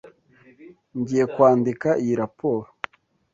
Ngiye kwandika iyi raporo.